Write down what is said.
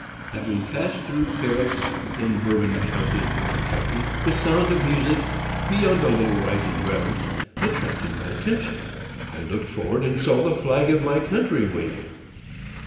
Having passed through Paris, in Bourbon county, Ky., the sound of music (beyond a little rising ground) attracted my attention. I looked forward, and saw the flag of my country waving.